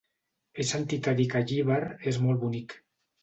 He sentit a dir que Llíber és molt bonic.